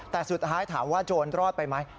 แต่สุดท้ายถามว่าโจรรอดไปไหม